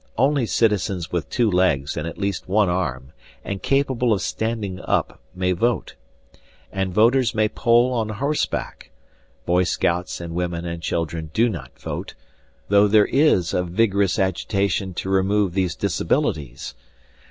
Only citizens with two legs and at least one arm and capable of standing up may vote, and voters may poll on horseback; boy scouts and women and children do not vote, though there is a vigorous agitation to remove these disabilities.